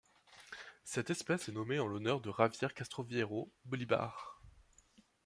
Cette espèce est nommée en l'honneur de Javier Castroviejo Bolibar.